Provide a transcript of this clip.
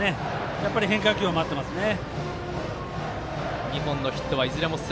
やっぱり変化球を待ってますね。